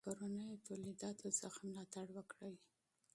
د کورنیو تولیداتو څخه ملاتړ وکړئ.